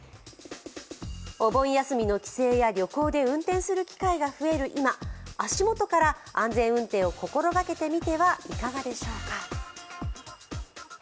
お盆休みの帰省や旅行で運転する機会が増える今、足元から安全運転を心がけてみてはいかがでしょうか？